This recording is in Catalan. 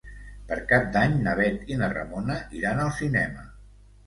Per Cap d'Any na Bet i na Ramona iran al cinema.